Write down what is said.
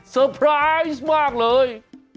เซอร์ไพรส์มากเลย